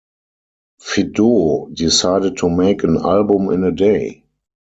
Phideaux decided to make an "album in a day".